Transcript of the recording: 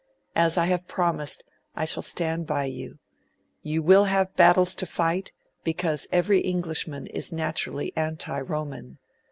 As I have promised, I shall stand by you. You will have battles to fight because every Englishman is naturally anti Roman.